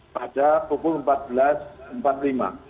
pada pukul empat belas empat puluh lima